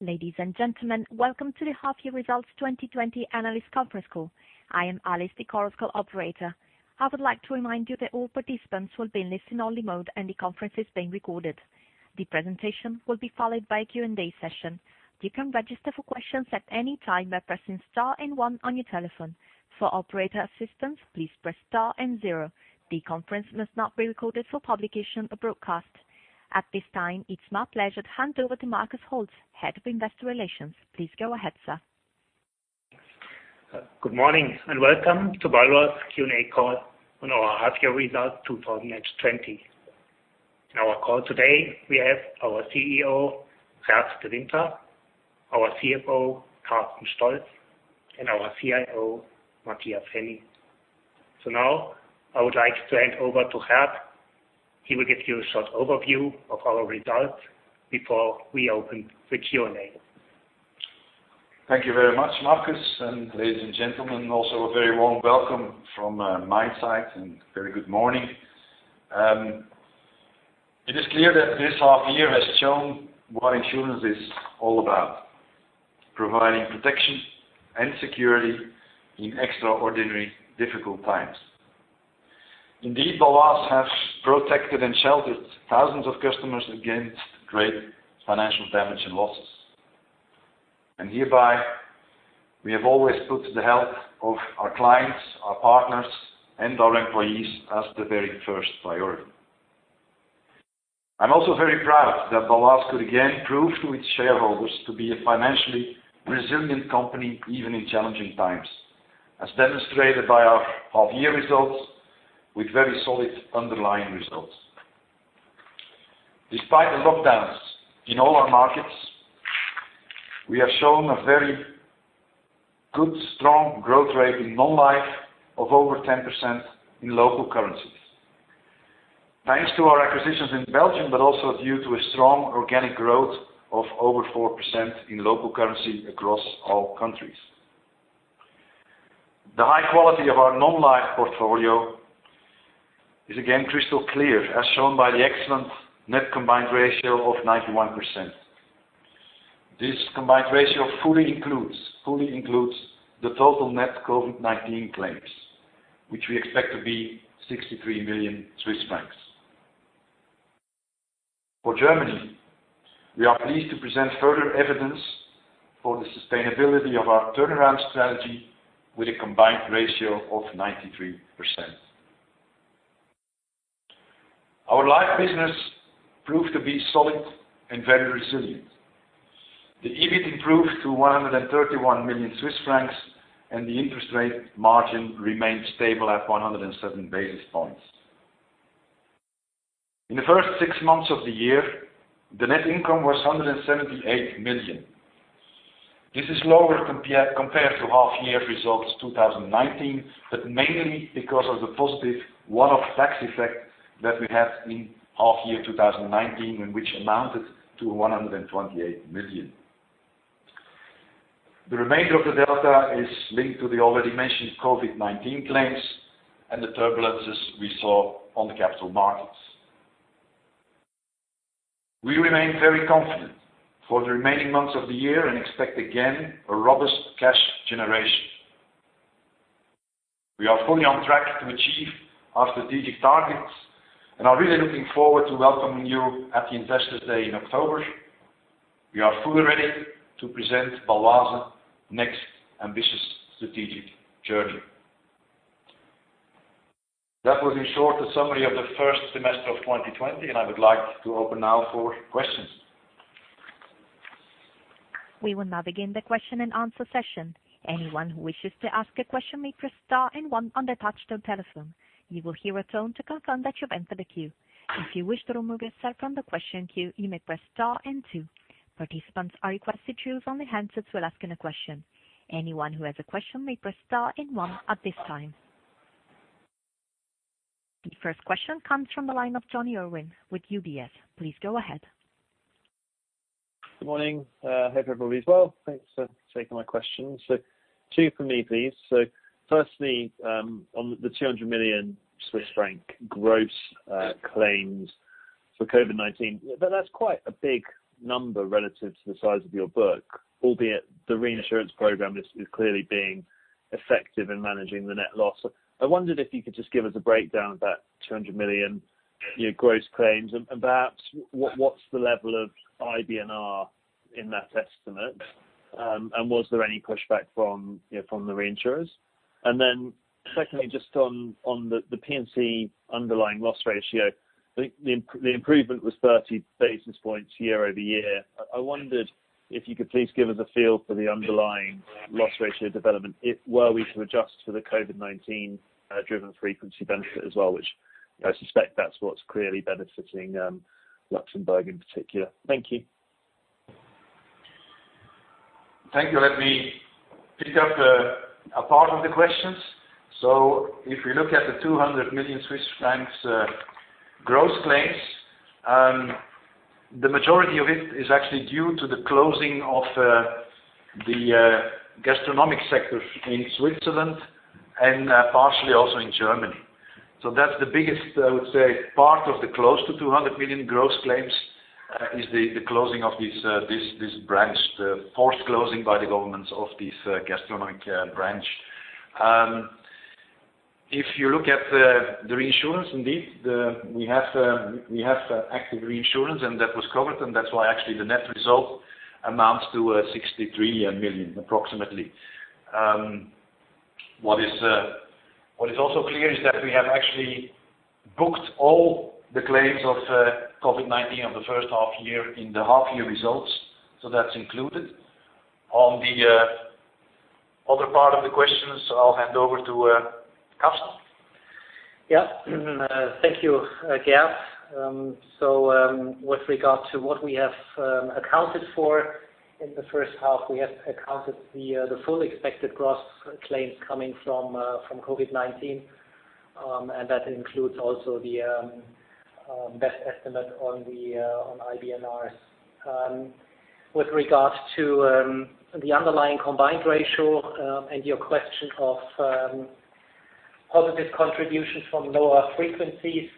Ladies and gentlemen, welcome to the H1 2020 Results Analyst Conference Call. I am Alice, the conference call operator. I would like to remind you that all participants will be in listen-only mode and the conference is being recorded. The presentation will be followed by a Q&A session. You can register for questions at any time by pressing star and one on your telephone. For operator assistance, please press star and zero. The conference must not be recorded for publication or broadcast. At this time, it's my pleasure to hand over to Markus Holtz, Head of Investor Relations. Please go ahead, sir. Good morning, and welcome to Bâloise Q&A Call on our H1 Result 2020. In our call today, we have our CEO, Gert De Winter, our CFO, Carsten Stolz, and our CIO, Matthias Henny. Now, I would like to hand over to Gert. He will give you a short overview of our results before we open the Q&A. Thank you very much, Markus. Ladies and gentlemen, also a very warm welcome from my side. Very good morning. It is clear that this half-year has shown what insurance is all about, providing protection and security in extraordinary difficult times. Indeed, Bâloise have protected and sheltered thousands of customers against great financial damage and losses. Hereby, we have always put the health of our clients, our partners, and our employees as the very first priority. I'm also very proud that Bâloise could again prove to its shareholders to be a financially resilient company, even in challenging times, as demonstrated by our half-year results with very solid underlying results. Despite the lockdowns in all our markets, we have shown a very good, strong growth rate in non-life of over 10% in local currencies. Thanks to our acquisitions in Belgium, also due to a strong organic growth of over 4% in local currency across all countries. The high quality of our non-life portfolio is again crystal clear, as shown by the excellent net combined ratio of 91%. This combined ratio fully includes the total net COVID-19 claims, which we expect to be 63 million Swiss francs. For Germany, we are pleased to present further evidence for the sustainability of our turnaround strategy with a combined ratio of 93%. Our life business proved to be solid and very resilient. The EBIT improved to 131 million Swiss francs, the interest rate margin remained stable at 107 basis points. In the first six months of the year, the net income was 178 million. This is lower compared to half year results 2019, but mainly because of the positive one-off tax effect that we had in half year 2019, and which amounted to 128 million. The remainder of the delta is linked to the already mentioned COVID-19 claims and the turbulences we saw on the capital markets. We remain very confident for the remaining months of the year and expect again a robust cash generation. We are fully on track to achieve our strategic targets and are really looking forward to welcoming you at the Investor Day in October. We are fully ready to present Bâloise next ambitious strategic journey. That was in short the summary of the first semester of 2020, and I would like to open now for questions. The first question comes from the line of Jonny Urwin with UBS. Please go ahead. Good morning. Hope everybody is well. Thanks for taking my question. Two from me, please. Firstly, on the 200 million Swiss franc gross claims for COVID-19, that's quite a big number relative to the size of your book, albeit the reinsurance program is clearly being effective in managing the net loss. I wondered if you could just give us a breakdown of that 200 million gross claims, and perhaps what's the level of IBNR in that estimate? Was there any pushback from the reinsurers? Secondly, just on the P&C underlying loss ratio, the improvement was 30 basis points year-over-year. I wondered if you could please give us a feel for the underlying loss ratio development were we to adjust for the COVID-19 driven frequency benefit as well which, I suspect that's what's clearly benefiting Luxembourg in particular. Thank you. Thank you. Let me pick up a part of the questions. If you look at the 200 million Swiss francs gross claims, the majority of it is actually due to the closing of the gastronomic sector in Switzerland and partially also in Germany. That's the biggest, I would say, part of the close to 200 million gross claims is the closing of this branch, the forced closing by the government of this gastronomic branch. If you look at the reinsurance, indeed, we have active reinsurance and that was covered, and that's why actually the net result amounts to 63 million approximately. What is also clear is that we have actually booked all the claims of COVID-19 of the first half year in the half year results. That's included. On the other part of the questions, I'll hand over to Carsten. Yeah. Thank you, Gert. With regard to what we have accounted for in the first half, we have accounted the full expected gross claims coming from COVID-19. That includes also the best estimate on IBNRs. With regards to the underlying combined ratio, and your question of positive contributions from lower frequencies,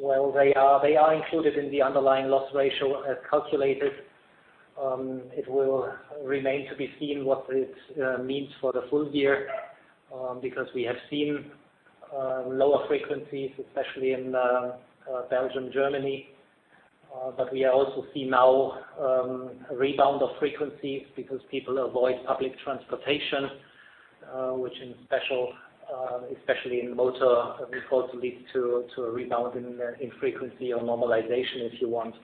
well, they are included in the underlying loss ratio as calculated. It will remain to be seen what it means for the full year, because we have seen lower frequencies, especially in Belgium, Germany. We also see now a rebound of frequencies because people avoid public transportation, which, especially in motor, we thought leads to a rebound in frequency or normalization, if you want.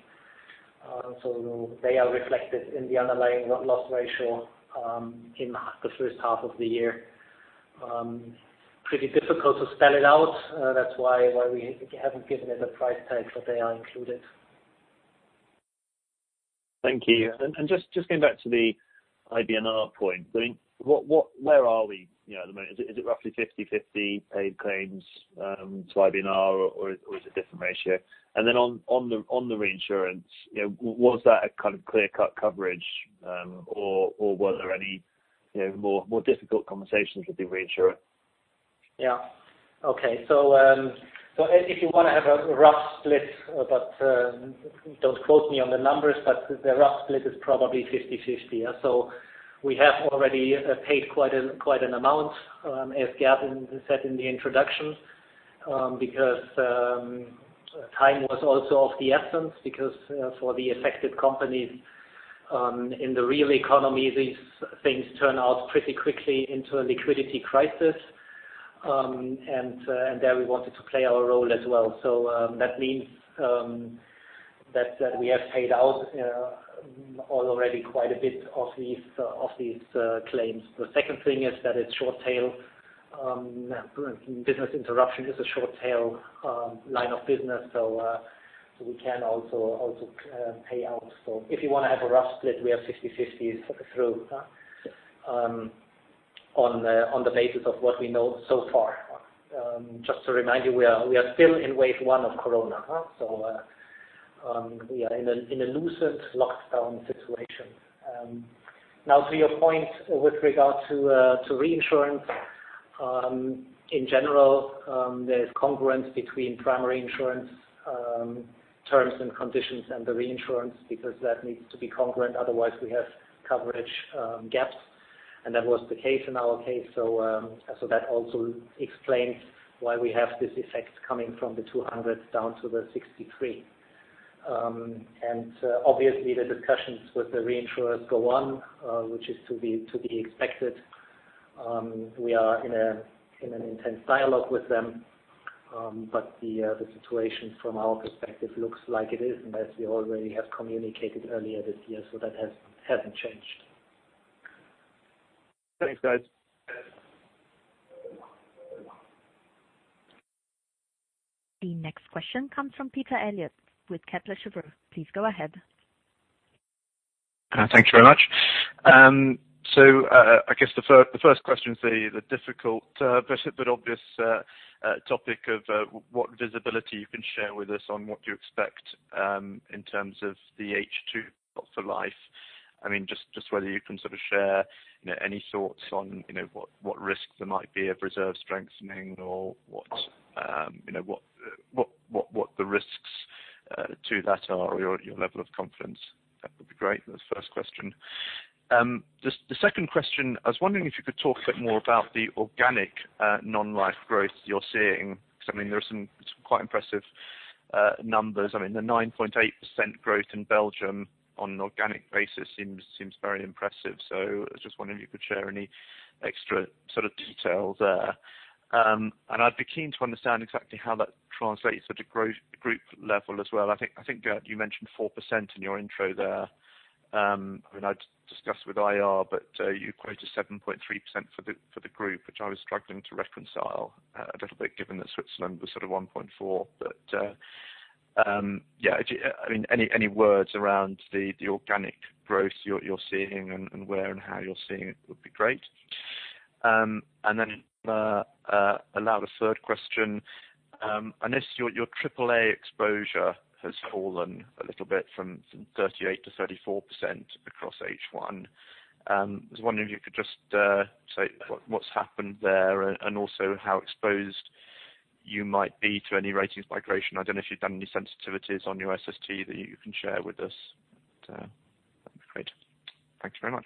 They are reflected in the underlying loss ratio in the first half of the year. Pretty difficult to spell it out. That's why we haven't given it a price tag, but they are included. Thank you. Just going back to the IBNR point, where are we at the moment? Is it roughly 50/50 paid claims to IBNR, or is it a different ratio? Then on the reinsurance, was that a kind of clear-cut coverage or were there any more difficult conversations with the reinsurer? Yeah. Okay. If you want to have a rough split, but don't quote me on the numbers, the rough split is probably 50/50. We have already paid quite an amount, as Gert said in the introduction, because time was also of the essence, because for the affected companies in the real economy, these things turn out pretty quickly into a liquidity crisis. There we wanted to play our role as well. That means that we have paid out already quite a bit of these claims. The second thing is that it's short tail. Business interruption is a short tail line of business, we can also pay out. If you want to have a rough split, we are 50/50 through on the basis of what we know so far. Just to remind you, we are still in wave one of Corona. We are in a loosened lockdown situation. To your point with regard to reinsurance. In general, there's congruence between primary insurance terms and conditions and the reinsurance because that needs to be congruent, otherwise we have coverage gaps, and that was the case in our case. That also explains why we have this effect coming from the 200 million down to the 63 million. Obviously the discussions with the reinsurers go on, which is to be expected. We are in an intense dialogue with them. The situation from our perspective looks like it is, and as we already have communicated earlier this year, that hasn't changed. Thanks, guys. The next question comes from Peter Eliot with Kepler Cheuvreux. Please go ahead. I guess the first question is the difficult but obvious topic of what visibility you can share with us on what you expect in terms of the H2 for life. Whether you can sort of share any thoughts on what risks there might be of reserve strengthening or what the risks to that are, or your level of confidence? That would be great. That's the first question. The second question, I was wondering if you could talk a bit more about the organic non-life growth you're seeing. There are some quite impressive numbers. The 9.8% growth in Belgium on an organic basis seems very impressive. I was just wondering if you could share any extra sort of details there? I'd be keen to understand exactly how that translates at a group level as well. I think, Gert, you mentioned 4% in your intro there. I discussed with IR, but you quoted 7.3% for the group, which I was struggling to reconcile a little bit, given that Switzerland was sort of 1.4. Any words around the organic growth you're seeing and where and how you're seeing it would be great. Then if I'm allowed a third question. This, your AAA exposure has fallen a little bit from 38% to 34% across H1. I was wondering if you could just say what's happened there, and also how exposed you might be to any ratings migration? I don't know if you've done any sensitivities on your SST that you can share with us. That'd be great. Thank you very much.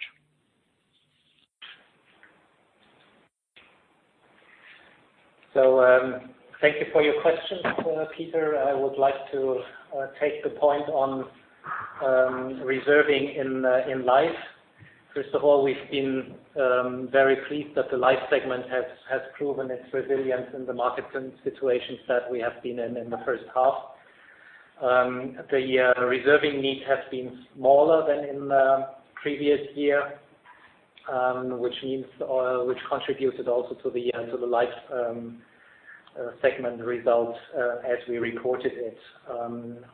Thank you for your question, Peter. I would like to take the point on reserving in life. First of all, we've been very pleased that the life segment has proven its resilience in the markets and situations that we have been in the first half. The reserving need has been smaller than in previous year, which contributed also to the life segment result as we reported it.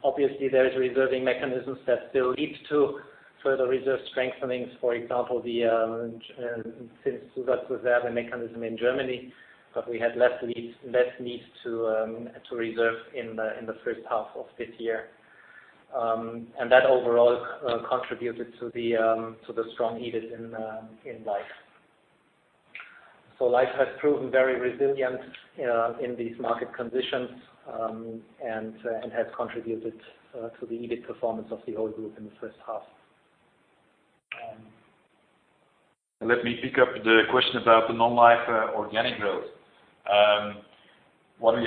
Obviously, there is reserving mechanisms that still lead to further reserve strengthenings. Since we got the other mechanism in Germany, but we had less needs to reserve in the first half of this year. That overall contributed to the strong EBIT in the life segment. So, life has proven very resilient in these market conditions and has contributed to the EBIT performance of the whole group in the first half. Let me pick up the question about the non-life organic growth. We are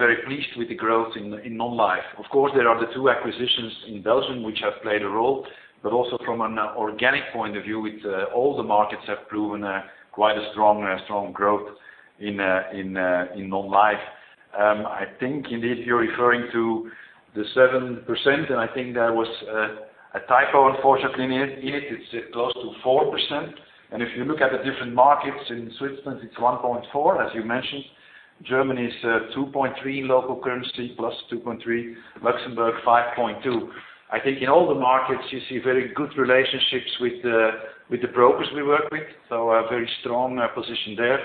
very pleased with the growth in the non-life. Of course there two acqusitions in Belgium, which have played a role, but also from an organic point of view with all the markets have proven quite strong growth in non-life. I think you're referring to the 7% and I think that was a typo, unfortunately. If it's close to 4%, and if you look at the different markets in Switzerland, it's 1.4%, as you mentioned. Germany is 2.3%, local currency +2.3%, Luxembourg, 5.2%. I think in all the markets, you see very good relationship with the brokers we work with, so a very strong position there.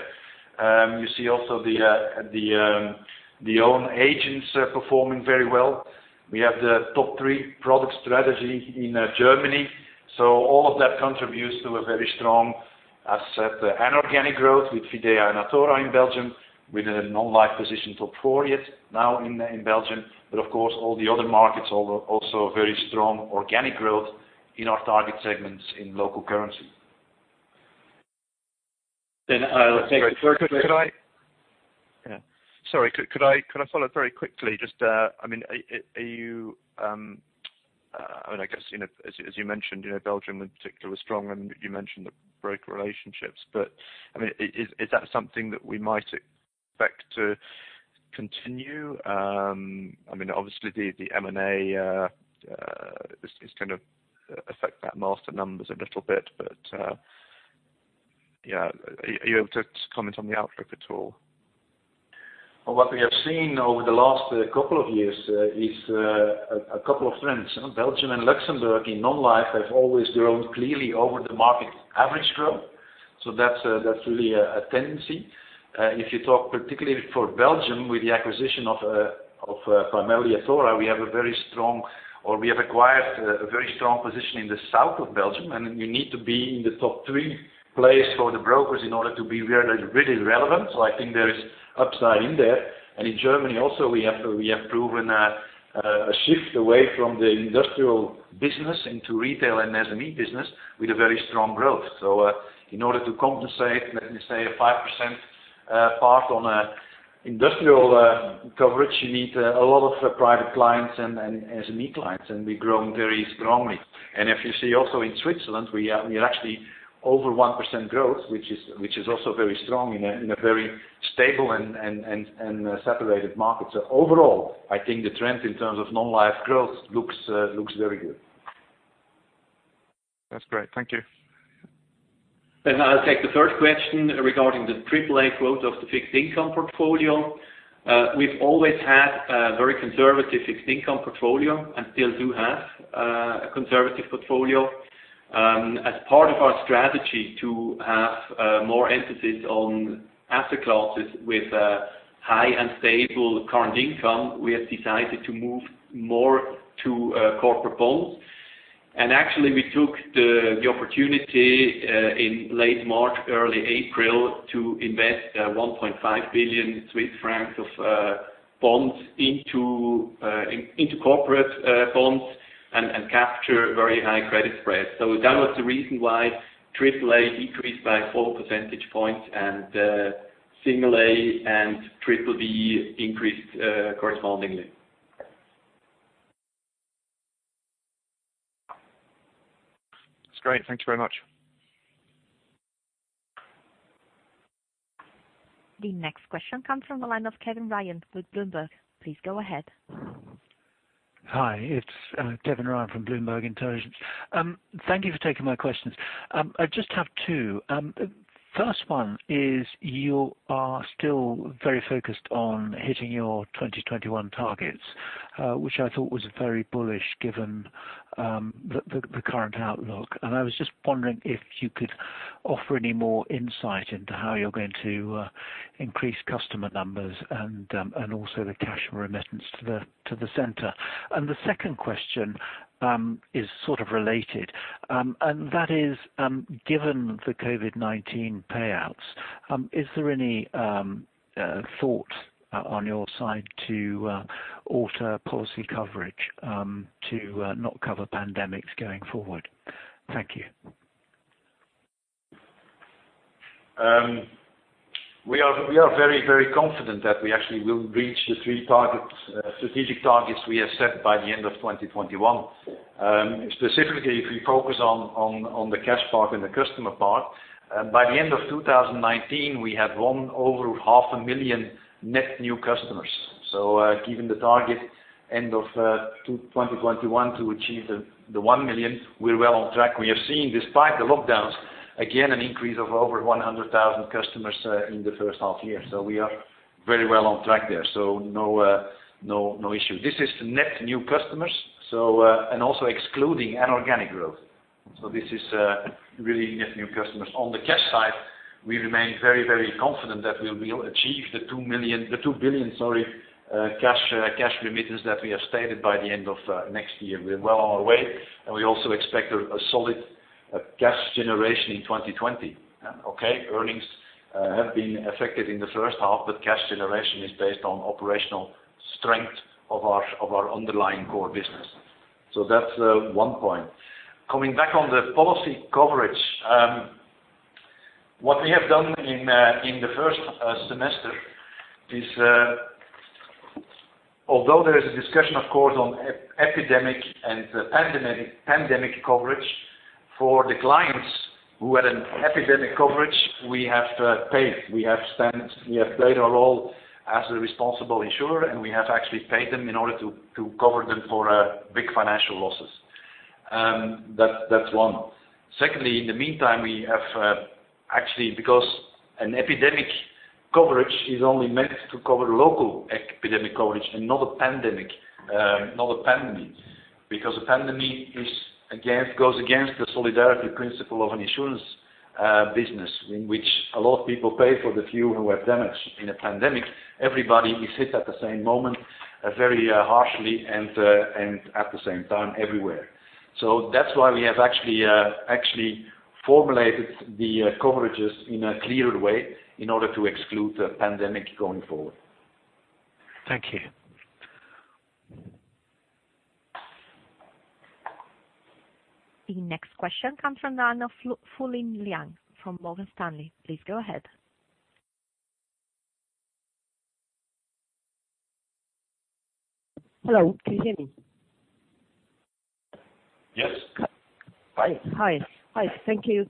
Also the own agents are performing very well. We have the top three product strategy in Germany. So all of that contributes to a very strong asset and organic growth with Fidea and Athora in Belgium with non-life position top four yet. Of course, all the other markets have also very strong organic growth. Could I ask a quick follow-up? I would like to assume, as you mentioned Belgium and Germany are strong and you mentioned the great relationships. Is that something that we might expect to continue? Obviously the M&A kinda affects the master numbers a little bit. Are you able to comment on the outlook at all? What we've seen over the last couple of years is a couple of trends on Belgium and Luxembourg in non-life have always grown clearly over the market average growth. So that's really a tendency. If you talk particularly for Belgium with the acquisition of primarily Athora, we have acquired a very strong position in south of Belgium, and we need to be in the top three place for brokers in order to be really relevant. So I think there is an upside in there. In Germany, we also have proven a shift away from the industrial business into retail and SME business is a very strong growth. So in order to compensate, let me say, a 5% part on the industrial coverage, you need a lot of private clients and SME clients, and we are growing very strongly. Also in Switzerland, we are actually over 1% growth, which is also very strong in a very stable and saturated markets. So overall, I think the trend in terms of the non-life growth looks very good. That's great. Thank you. I'll take the third question regarding the AAA growth of the fixed income portfolio. We've always had a very conservative fixed income portfolio and still do have a conservative portfolio. As part of our strategy to have more emphasis on asset classes with high and stable current income, we have decided to move more to corporate bonds. Actually, we took the opportunity in late March, early April, to invest 1.5 billion Swiss francs of bonds into corporate bonds and capture very high credit spreads. That was the reason why AAA decreased by 4 percentage points and single A and BBB increased correspondingly. That's great. Thank you very much. The next question comes from the line of Kevin Ryan with Bloomberg. Please go ahead. Hi, it's Kevin Ryan from Bloomberg. Thank you for taking my questions. I just have two. First one is, you are still very focused on hitting your 2021 targets, which I thought was very bullish given the current outlook. I was just wondering if you could offer any more insight into how you're going to increase customer numbers and also the cash remittances to the center. The second question is sort of related, and that is, given the COVID-19 payouts, is there any thought on your side to alter policy coverage to not cover pandemics going forward? Thank you. We are very confident that we actually will reach the three strategic targets we have set by the end of 2021. Specifically, if we focus on the cash part and the customer part, by the end of 2019, we have won over 500,000 net new customers. Given the target end of 2021 to achieve the 1 million, we are well on track. We have seen, despite the lockdowns, again, an increase of over 100,000 customers in the first half year. We are very well on track there. No issue. This is net new customers, also excluding an organic growth. This is really net new customers. On the cash side, we remain very confident that we will achieve the 2 billion cash remittances that we have stated by the end of next year. We are well on our way, and we also expect a solid cash generation in 2020. Earnings have been affected in the first half, but cash generation is based on operational strength of our underlying core business. That's one point. Coming back on the policy coverage, what we have done in the first semester is, although there is a discussion, of course, on epidemic and pandemic coverage, for the clients who had an epidemic coverage, we have paid. We have played a role as a responsible insurer, and we have actually paid them in order to cover them for big financial losses. That's one. Secondly, in the meantime, we have actually, because an epidemic coverage is only meant to cover local epidemic coverage and not a pandemic. Because a pandemic goes against the solidarity principle of an insurance business, in which a lot of people pay for the few who have damage. In a pandemic, everybody is hit at the same moment, very harshly and at the same time everywhere. That's why we have actually formulated the coverages in a clearer way in order to exclude pandemic going forward. Thank you. The next question comes from Fulin Liang from Morgan Stanley. Please go ahead. Hello, can you hear me? Yes. Hi. Hi. Thank you.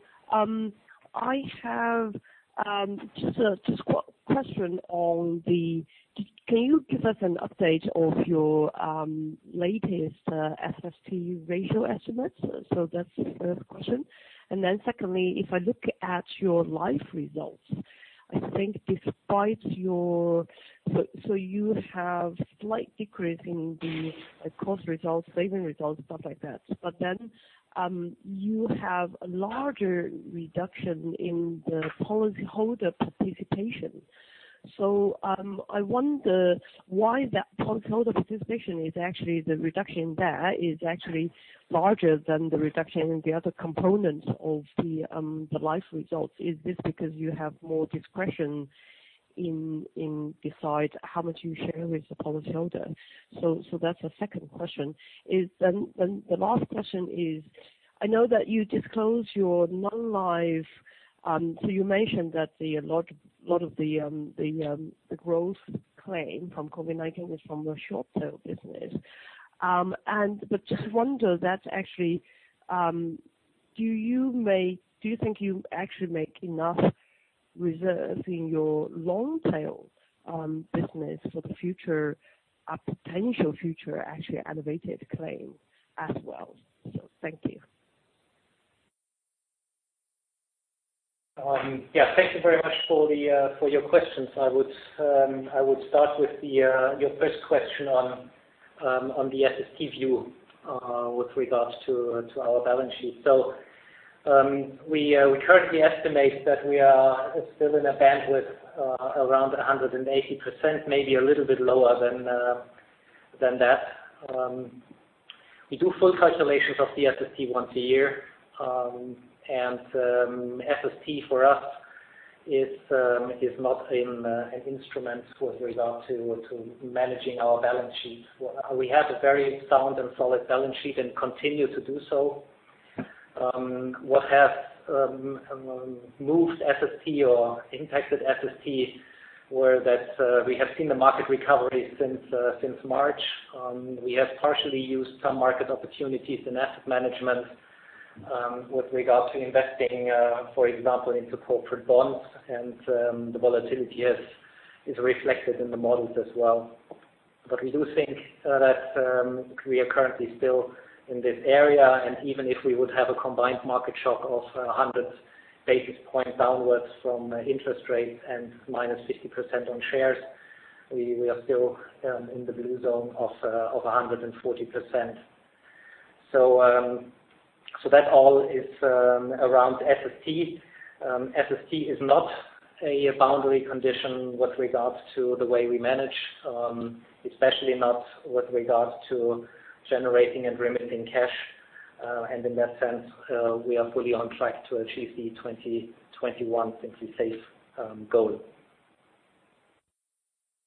Can you give us an update of your latest SST ratio estimates? That's the first question. Secondly, if I look at your life results, you have slight decrease in the cost results, saving results, stuff like that. You have a larger reduction in the policyholder participation. I wonder why that policyholder participation is actually the reduction there is actually larger than the reduction in the other components of the life results. Is this because you have more discretion in decide how much you share with the policyholder? That's the second question. The last question is, I know that you disclose your non-life, so you mentioned that a lot of the growth claim from COVID-19 is from the short tail business. Just wonder that actually, do you think you actually make enough reserve in your long tail business for the future, a potential future, actually elevated claim as well? Thank you. Yeah. Thank you very much for your questions. I would start with your first question on the SST view with regards to our balance sheet. We currently estimate that we are still in a bandwidth around 180%, maybe a little bit lower than that. We do full calculations of the SST once a year, and SST for us is not an instrument with regard to managing our balance sheet. We have a very sound and solid balance sheet and continue to do so. What have moved SST or impacted SST were that we have seen the market recovery since March. We have partially used some market opportunities in asset management with regard to investing, for example, into corporate bonds and the volatility is reflected in the models as well. We do think that we are currently still in this area, and even if we would have a combined market shock of 100 basis points downwards from interest rates and -50% on shares, we are still in the blue zone of 140%. That all is around SST. SST is not a boundary condition with regards to the way we manage, especially not with regards to generating and remitting cash. In that sense, we are fully on track to achieve the 2021 safety goal.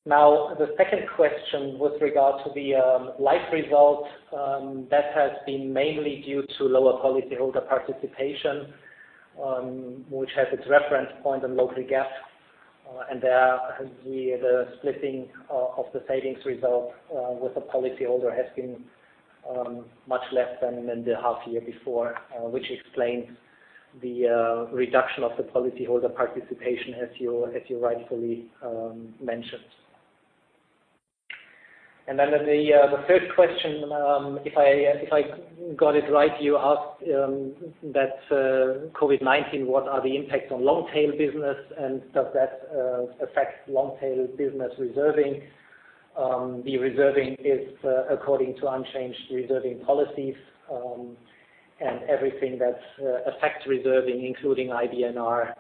The second question with regard to the life result, that has been mainly due to lower policyholder participation, which has its reference point in local GAAP. There, the splitting of the savings result with the policyholder has been much less than the half year before, which explains the reduction of the policyholder participation, as you rightfully mentioned. The third question, if I got it right, you asked that COVID-19, what are the impacts on long-tail business, and does that affect long-tail business reserving? The reserving is according to unchanged reserving policies. Everything that affects reserving, including IBNR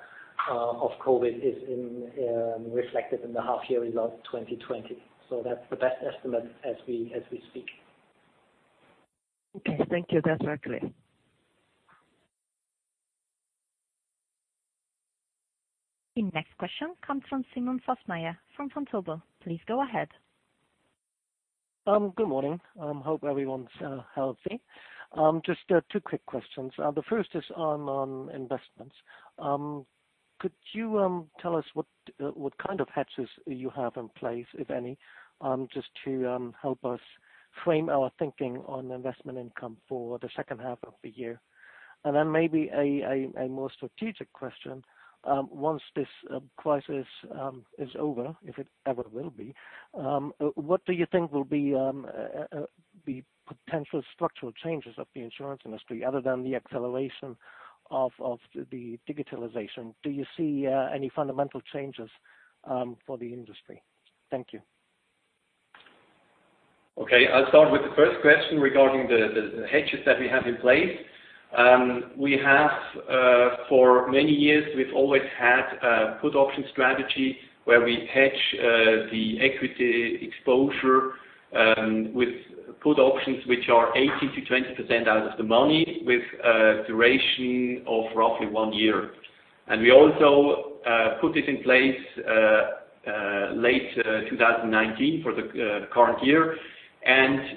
of COVID, is reflected in the half year results 2020. That's the best estimate as we speak. Okay. Thank you. That's very clear. The next question comes from Simon Fössmeier from Vontobel. Please go ahead. Good morning. Hope everyone's healthy. Just two quick questions. The first is on investments. Could you tell us what kind of hedges you have in place, if any, just to help us frame our thinking on investment income for the second half of the year? Maybe a more strategic question. Once this crisis is over, if it ever will be, what do you think will be potential structural changes of the insurance industry other than the acceleration of the digitalization? Do you see any fundamental changes for the industry? Thank you. Okay. I'll start with the first question regarding the hedges that we have in place. For many years, we've always had a put option strategy where we hedge the equity exposure with put options, which are 18%-20% out of the money with a duration of roughly one year. We also put this in place late 2019 for the current year.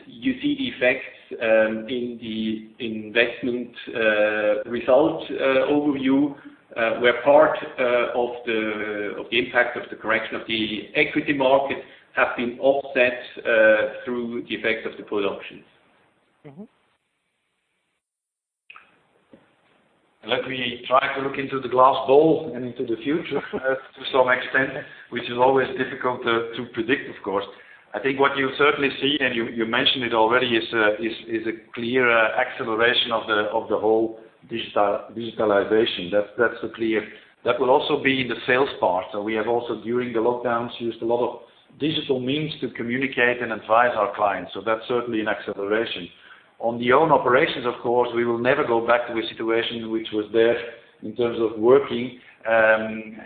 You see the effects in the investment result overview, where part of the impact of the correction of the equity market have been offset through the effects of the put options. Let me try to look into the glass ball and into the future to some extent, which is always difficult to predict, of course. I think what you certainly see, and you mentioned it already, is a clear acceleration of the whole digitalization. That's clear. That will also be in the sales part. We have also, during the lockdowns, used a lot of digital means to communicate and advise our clients, so that's certainly an acceleration. On the own operations, of course, we will never go back to a situation which was there in terms of working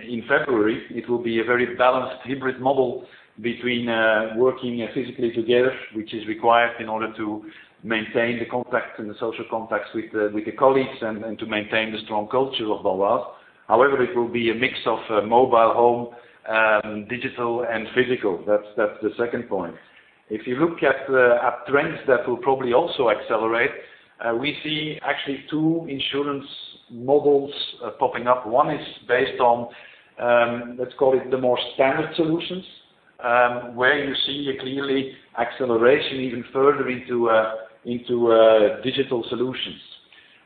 in February. It will be a very balanced, hybrid model between working physically together, which is required in order to maintain the contacts and the social contacts with the colleagues and to maintain the strong culture of Bâloise. However, it will be a mix of mobile, home, digital, and physical. That's the second point. If you look at trends that will probably also accelerate, we see actually two insurance models popping up. One is based on, let's call it, the more standard solutions, where you see a clearly acceleration even further into digital solutions.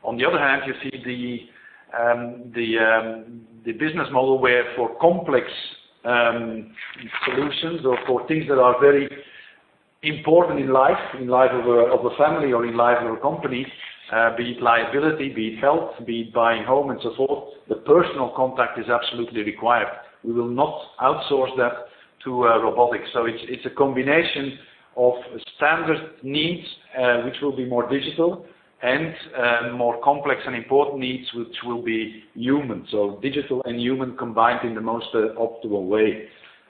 On the other hand, you see the business model where for complex solutions or for things that are very important in life, in life of a family or in life of a company, be it liability, be it health, be it buying home and so forth, the personal contact is absolutely required. We will not outsource that to robotics. It's a combination of standard needs, which will be more digital, and more complex and important needs, which will be human. Digital and human combined in the most optimal way.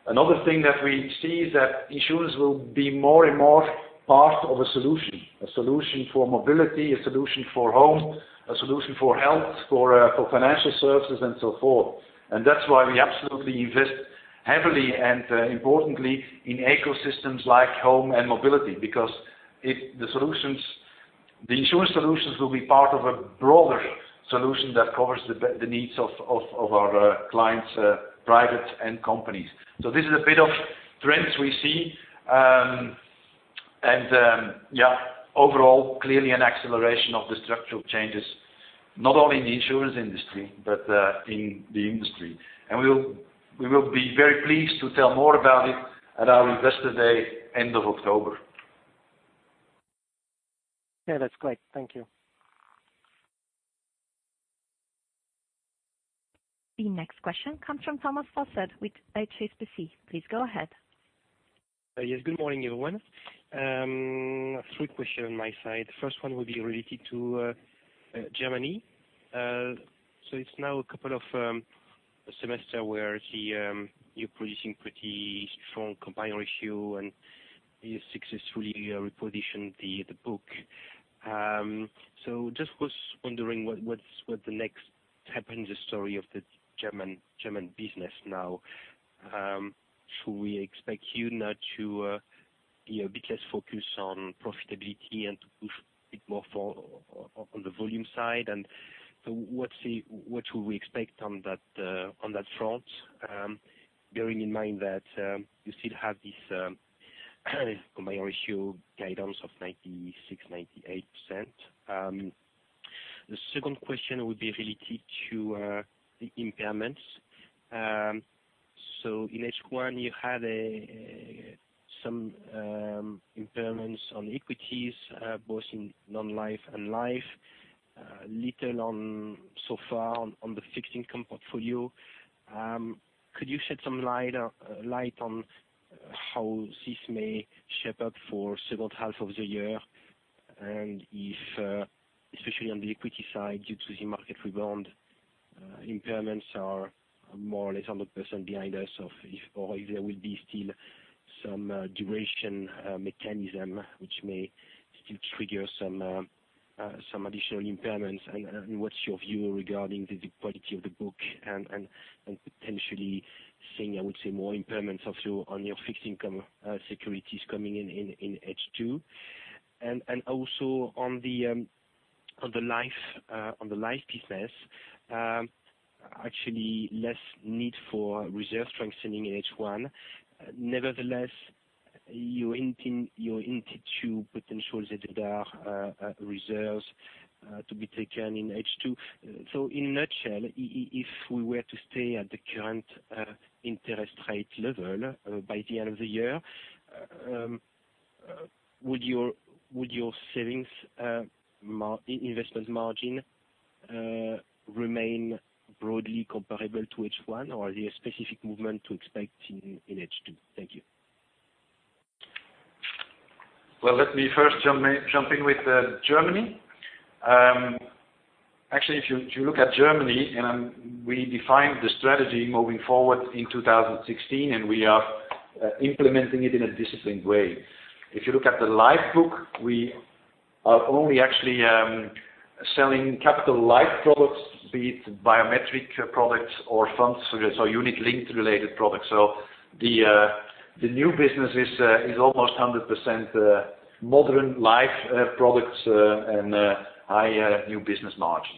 Another thing that we see is that insurance will be more and more part of a solution, a solution for mobility, a solution for home, a solution for health, for financial services and so forth. That's why we absolutely invest heavily and importantly in ecosystems like home and mobility, because the insurance solutions will be part of a broader solution that covers the needs of our clients, private and companies. This is a bit of trends we see. Yeah, overall, clearly an acceleration of the structural changes, not only in the insurance industry, but in the industry. We will be very pleased to tell more about it at our Investor Day end of October. Yeah, that's great. Thank you. The next question comes from Thomas Fossard with HSBC. Please go ahead. Yes. Good morning, everyone. Three questions on my side. First one will be related to Germany. It's now a couple of semester where you're producing pretty strong combined ratio, and you successfully repositioned the book. Just was wondering what the next chapter in the story of the German business now? Should we expect you now to be a bit less focused on profitability and to push a bit more on the volume side? What should we expect on that front, bearing in mind that you still have this combined ratio guidance of 96%-98%? The second question would be related to the impairments. In H1, you had some impairments on equities, both in non-life and life, little so far on the fixed income portfolio. Could you shed some light on how this may shape up for second half of the year? If, especially on the equity side, due to the market rebound, impairments are more or less 100% behind us, or if there will be still some duration mechanism which may still trigger some additional impairments. What's your view regarding the quality of the book and potentially seeing, I would say, more impairments on your fixed income securities coming in H2? Also on the life business, actually less need for reserve strengthening in H1. Nevertheless, you intend to potential that there are reserves to be taken in H2. In a nutshell, if we were to stay at the current interest rate level by the end of the year, would your savings investment margin remain broadly comparable to H1? Are there specific movement to expect in H2? Thank you. Well, let me first jump in with Germany. Actually, if you look at Germany, and we defined the strategy moving forward in 2016, and we are implementing it in a disciplined way. If you look at the life book, we are only actually selling capital life products, be it biometric products or funds. Unit-linked related products. The new business is almost 100% modern life products and high new business margin.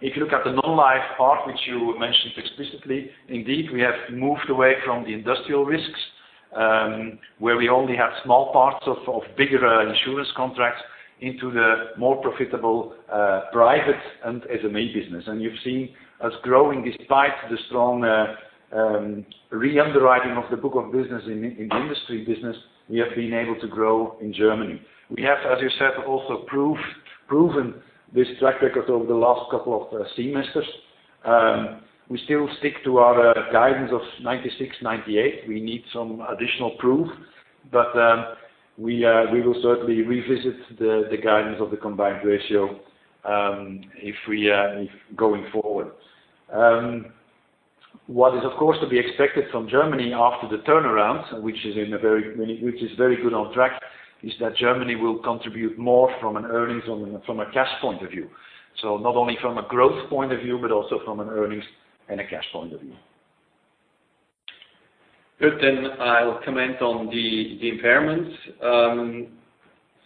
If you look at the non-life part which you mentioned explicitly, indeed, we have moved away from the industrial risks, where we only have small parts of bigger insurance contracts into the more profitable private and SME business. You've seen us growing despite the strong re-underwriting of the book of business in the industry business, we have been able to grow in Germany. We have, as you said, also proven this track record over the last couple of semesters. We still stick to our guidance of 96%-98%. We need some additional proof, but we will certainly revisit the guidance of the combined ratio going forward. What is, of course, to be expected from Germany after the turnaround, which is very good on track, is that Germany will contribute more from an earnings, from a cash point of view. Not only from a growth point of view, but also from an earnings and a cash point of view. Gert, I will comment on the impairments.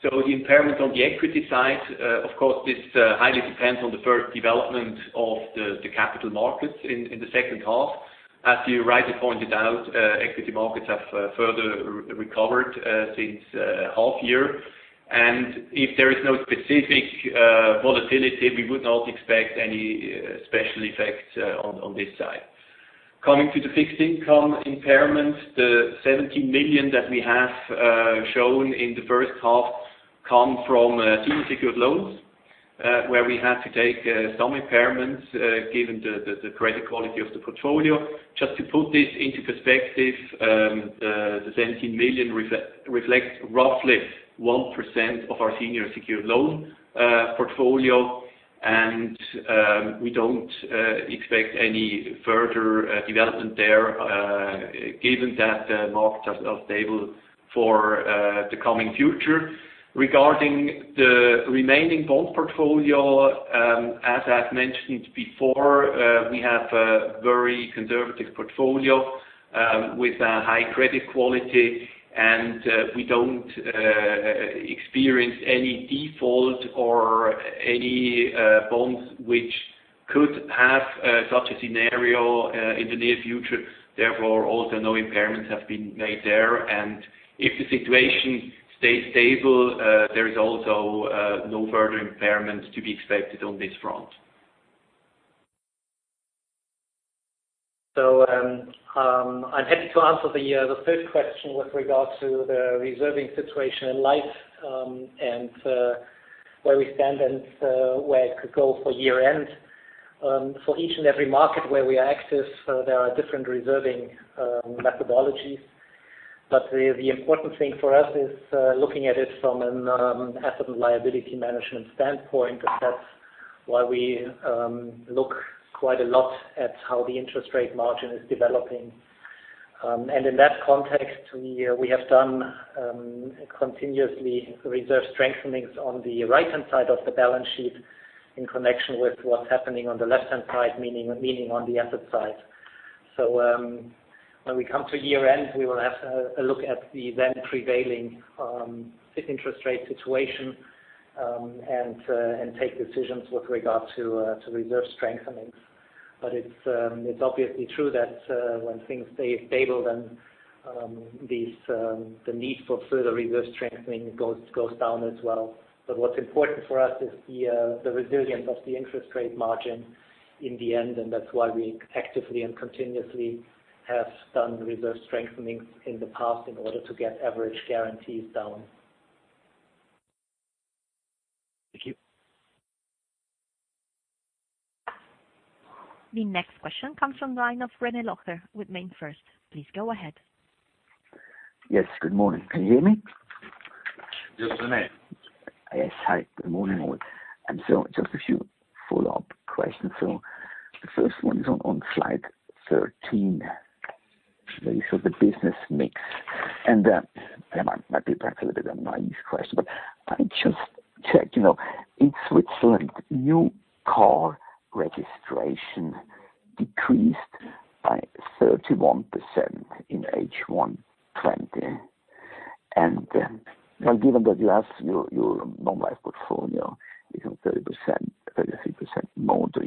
The impairment on the equity side, of course, this highly depends on the development of the capital markets in the second half. As you rightly pointed out, equity markets have further recovered since half year. If there is no specific volatility, we would not expect any special effects on this side. Coming to the fixed income impairments, the 17 million that we have shown in the first half come from senior secured loans, where we had to take some impairments given the credit quality of the portfolio. Just to put this into perspective, the 17 million reflects roughly 1% of our senior secured loan portfolio. We don't expect any further development there given that the markets are stable for the coming future. Regarding the remaining bond portfolio, as I've mentioned before, we have a very conservative portfolio with a high credit quality, and we don't experience any default or any bonds which could have such a scenario in the near future. Therefore, also, no impairments have been made there. If the situation stays stable, there is also no further impairments to be expected on this front. I'm happy to answer the third question with regard to the reserving situation in life, and where we stand and where it could go for year-end. For each and every market where we access, there are different reserving methodologies. The important thing for us is looking at it from an asset and liability management standpoint. That's why we look quite a lot at how the interest rate margin is developing. In that context, we have done continuously reserve strengthenings on the right-hand side of the balance sheet in connection with what's happening on the left-hand side, meaning on the asset side. When we come to year-end, we will have a look at the then prevailing interest rate situation, and take decisions with regards to reserve strengthening. It's obviously true that when things stay stable, then the need for further reserve strengthening goes down as well. What's important for us is the resilience of the interest rate margin in the end, and that's why we actively and continuously have done reserve strengthening in the past in order to get average guarantees down. Thank you. The next question comes from the line of René Locher with MainFirst. Please go ahead. Yes. Good morning. Can you hear me? Yes, René. Yes. Hi, good morning all. Just a few follow-up questions. The first one is on slide 13, where you show the business mix. It might be perhaps a little bit of a naive question, but I just checked, in Switzerland, new car registration decreased by 31% in H1 2020. Given that you have your non-life portfolio is 30%, 33% motor.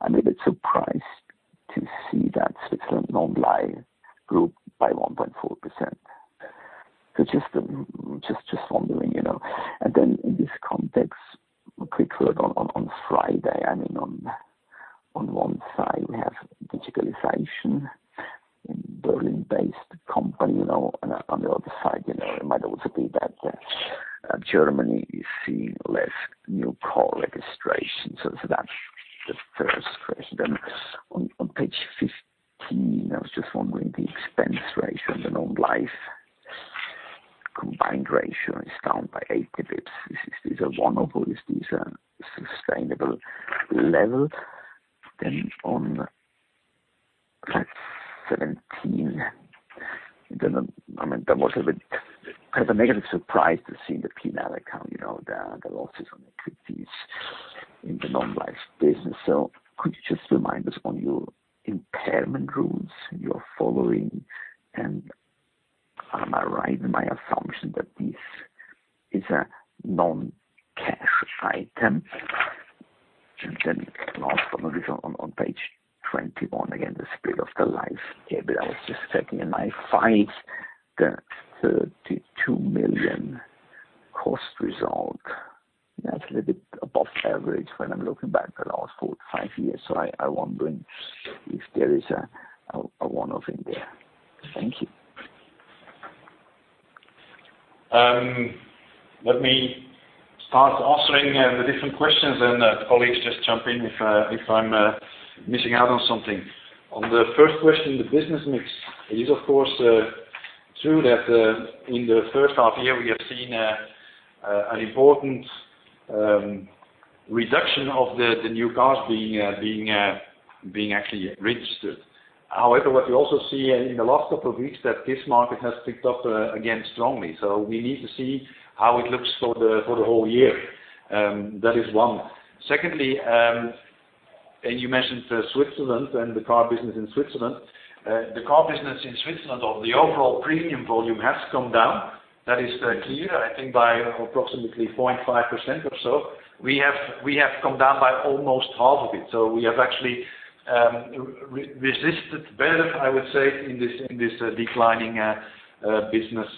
I'm a bit surprised to see that Switzerland non-life grew by 1.4%. Just wondering. In this context, quickly on FRIDAY, on one side we have digitalization in Berlin-based company, and on the other side, it might also be that Germany is seeing less new car registrations. That's the first question. On page 15, I was just wondering the expense ratio and the non-life combined ratio is down by 80 basis points. Is this a one-off or is this a sustainable level? On slide 17, I was a bit negatively surprised to see in the P&L account, the losses on equities in the non-life business. Could you just remind us on your impairment rules you are following? Am I right in my assumption that this is a non-cash item? Last one, on page 21, again, the split of the life table. I was just checking, and I find the 32 million cost result, that's a little bit above average when I'm looking back the last four to five years. I'm wondering if there is a one-off in there. Thank you. Let me start answering the different questions and, colleagues, just jump in if I'm missing out on something. On the first question, the business mix. It is, of course, true that in the first half year, we have seen an important reduction of the new cars being actually registered. What you also see in the last couple of weeks, that this market has picked up again strongly. We need to see how it looks for the whole year. That is one. You mentioned Switzerland and the car business in Switzerland. The car business in Switzerland or the overall premium volume has come down. That is clear, I think by approximately 0.5% or so. We have come down by almost half of it. We have actually resisted better, I would say, in this declining car business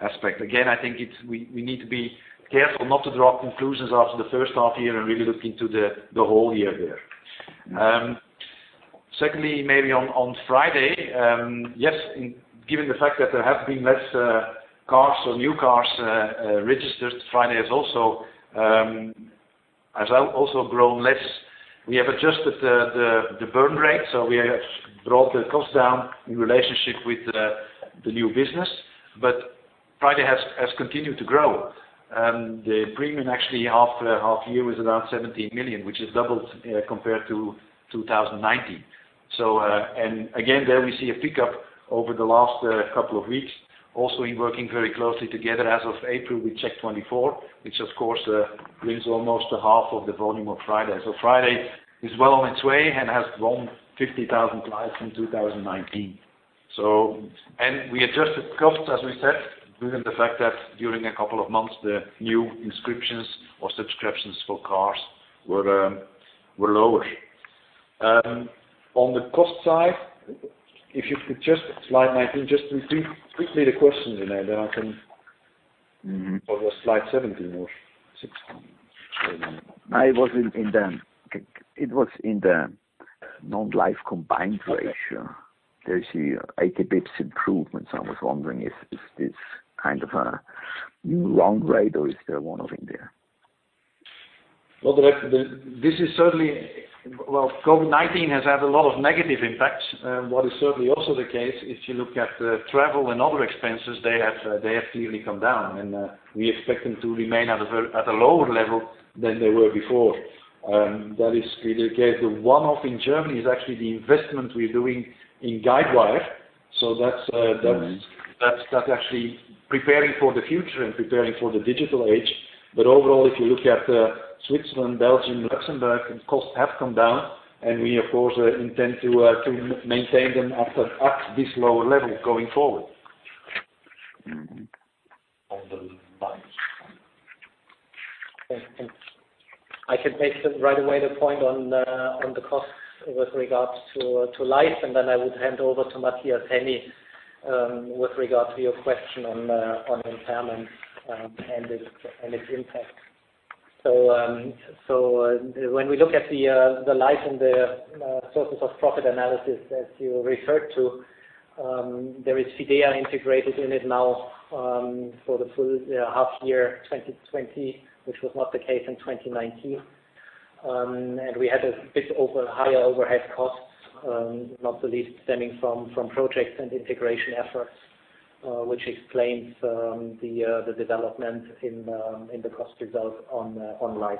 aspect. I think we need to be careful not to draw conclusions after the first half year and really look into the whole year there. Maybe on FRIDAY. Given the fact that there have been less cars or new cars registered, FRIDAY has also grown less. We have adjusted the burn rate, so we have brought the cost down in relationship with the new business. FRIDAY has continued to grow. The premium actually half year was around 17 million, which has doubled compared to 2019. Again, there we see a pickup over the last couple of weeks. Also, in working very closely together as of April with CHECK24, which of course brings almost half of the volume of FRIDAY. FRIDAY is well on its way and has grown 50,000 clients from 2019. We adjusted costs, as we said, given the fact that during a couple of months, the new inscriptions or subscriptions for cars were lower. On the cost side, if you could just, slide 19, just repeat quickly the question, René, then I can Was it slide 17 or 16? It was in the non-life combined ratio. There's 80 basis points improvement. I was wondering if this kind of a new run rate or is there one-off there? COVID-19 has had a lot of negative impacts. What is certainly also the case, if you look at travel and other expenses, they have clearly come down, and we expect them to remain at a lower level than they were before. That is really the case. The one-off in Germany is actually the investment we're doing in Guidewire. That's actually preparing for the future and preparing for the digital age. Overall, if you look at Switzerland, Belgium, Luxembourg, costs have come down, and we, of course, intend to maintain them at this lower level going forward. I can take right away the point on the costs with regards to Life, and then I would hand over to Matthias Henny with regard to your question on impairments and its impact. When we look at the Life and the sources of profit analysis that you referred to, there is Fidea integrated in it now, for the full half year 2020, which was not the case in 2019. We had a bit higher overhead costs, not the least stemming from projects and integration efforts, which explains the development in the cost result on life.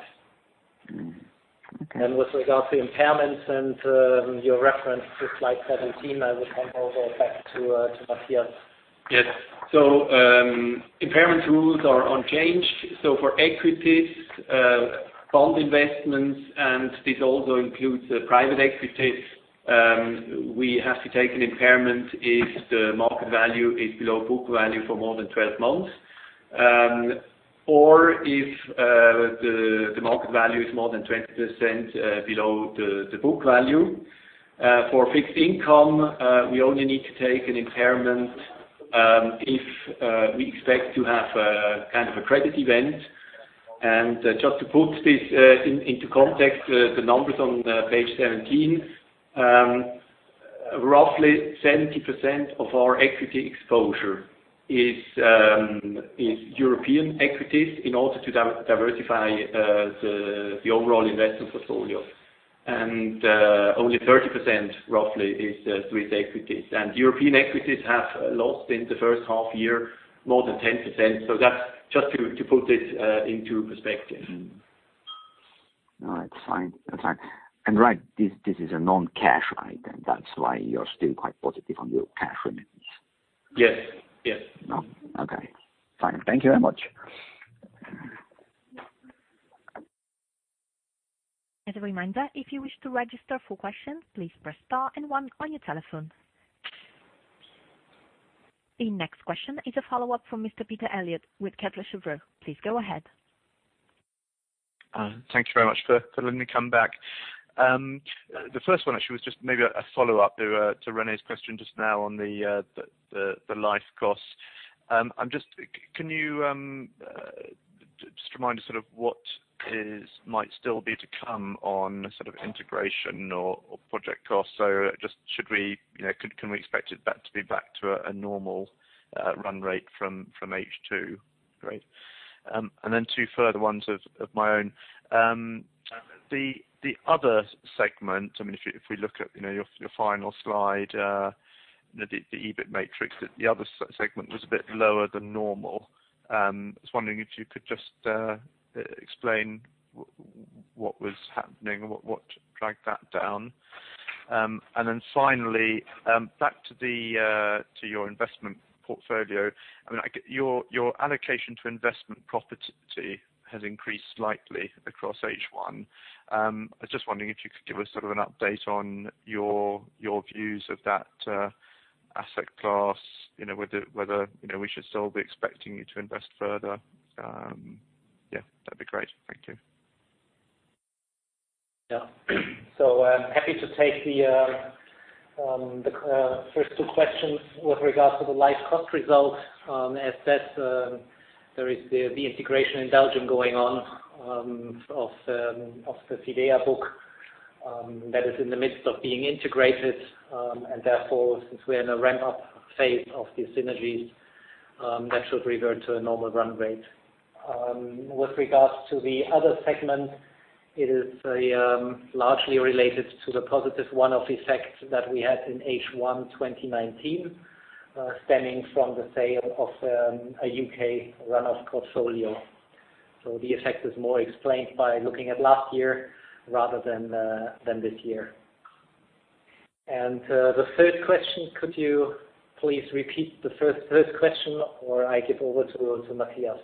Mm-hmm. Okay. With regard to impairments and your reference to slide 17, I would hand over back to Matthias. Yes. Impairment rules are unchanged. For equities, bond investments, and this also includes private equities, we have to take an impairment if the market value is below book value for more than 12 months, or if the market value is more than 20% below the book value. For fixed income, we only need to take an impairment if we expect to have a credit event. Just to put this into context, the numbers on page 17, roughly 70% of our equity exposure is European equities in order to diversify the overall investment portfolio. Only 30%, roughly, is Swiss equities. European equities have lost in the first half year, more than 10%. That's just to put this into perspective. All right. Fine. Right, this is a non-cash item. That's why you're still quite positive on your cash remains. Yes. Okay, fine. Thank you very much. As a reminder, if you wish to register for questions, please press star and one on your telephone. The next question is a follow-up from Mr. Peter Eliot with Kepler Cheuvreux. Please go ahead. Thank you very much for letting me come back. The first one actually was just maybe a follow-up to René's question just now on the Life costs. Can you just remind us sort of what might still be to come on sort of integration or project costs? Can we expect it back to be back to a normal run rate from H2? Great. Two further ones of my own. The other segment, if we look at your final slide, the EBIT matrix, the other segment was a bit lower than normal. I was wondering if you could just explain what was happening and what dragged that down? Finally, back to your investment portfolio. Your allocation to investment property has increased slightly across H1. I was just wondering if you could give us sort of an update on your views of that asset class, whether we should still be expecting you to invest further? Yeah, that'd be great. Thank you. Yeah. Happy to take the first two questions with regards to the Life cost results. As said, there is the integration in Belgium going on of the Fidea book that is in the midst of being integrated. Therefore, since we are in a ramp-up phase of the synergies, that should revert to a normal run rate. With regards to the other segment, it is largely related to the positive one-off effect that we had in H1 2019, stemming from the sale of a U.K. run-off portfolio. The effect is more explained by looking at last year rather than this year. The third question, could you please repeat the third question, or I give over to Matthias?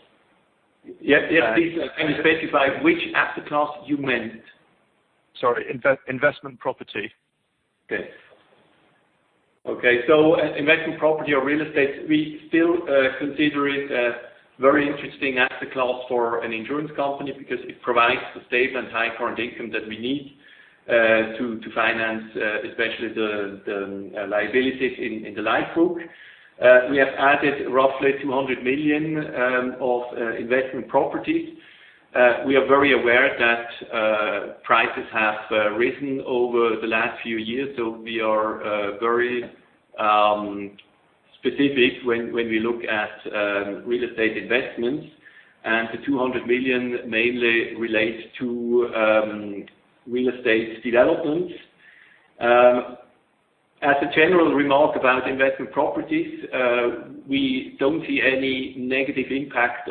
Yeah. Please can you specify which asset class you meant? Sorry, investment property. Investment property or real estate, we still consider it a very interesting asset class for an insurance company because it provides the stable and high current income that we need. To finance, especially the liabilities in the life book. We have added roughly 200 million of investment properties. We are very aware that prices have risen over the last few years. We are very specific when we look at real estate investments. The 200 million mainly relates to real estate developments. As a general remark about investment properties, we don't see any negative impact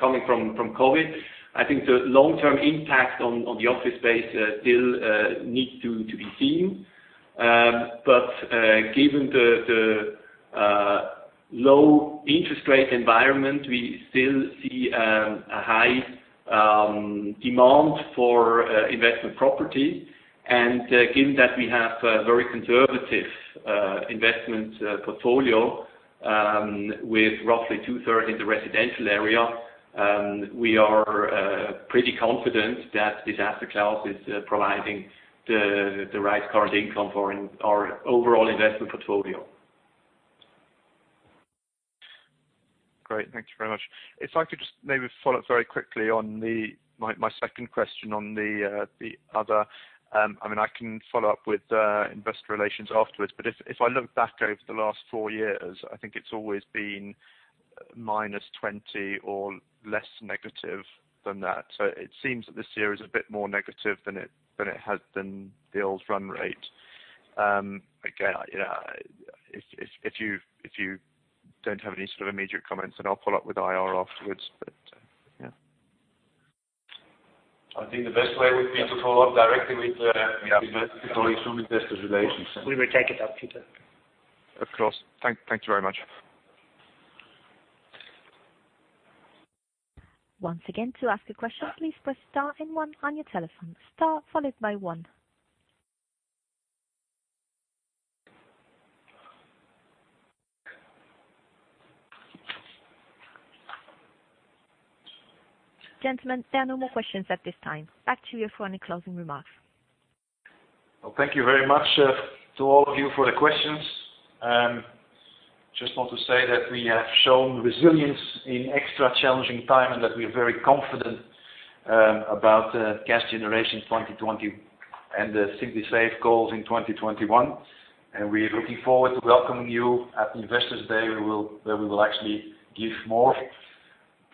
coming from COVID-19. I think the long-term impact on the office space still needs to be seen. Given the low interest rate environment, we still see a high demand for investment properties. Given that we have a very conservative investment portfolio, with roughly 2/3 in the residential area, we are pretty confident that this asset class is providing the right current income for our overall investment portfolio. Great. Thank you very much. If I could just maybe follow up very quickly on my second question, on the other. I can follow up with investor relations afterwards, but if I look back over the last four years, I think it's always been -20 or less negative than that. It seems that this year is a bit more negative than the old burn rate. Again, if you don't have any sort of immediate comments, then I'll follow up with IR afterwards. I think the best way would be to follow up directly with investor relations. We will take it up, Peter. Of course. Thank you very much. Once again, to ask a question, please press star and one on your telephone. Gentlemen, there are no more questions at this time. Back to you for any closing remarks. Thank you very much to all of you for the questions. Just want to say that we have shown resilience in extra challenging times, and that we are very confident about the cash generation 2020 and the Simply Safe goals in 2021. We're looking forward to welcoming you at Investor Day, where we will actually give more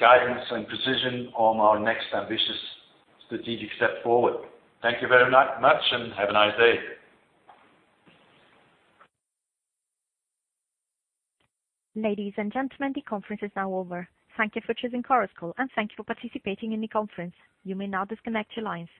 guidance and precision on our next ambitious strategic step forward. Thank you very much, and have a nice day. Ladies and gentlemen, the conference is now over. Thank you for choosing Chorus Call, and thank you for participating in the conference. You may now disconnect your lines.